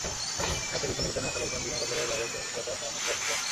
রাতে বিপণিবিতানে আসা লোকজন বিমা কার্যালয়ের বাইরের দরজা সামান্য খোলা দেখতে পান।